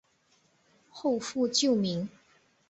后复旧名。